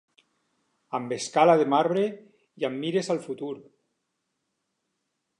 Amb escala de marbre i amb mires al futur